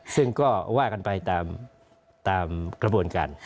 ซึ่งก็ว่ากันไปตามกระบวนการ